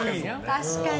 確かに。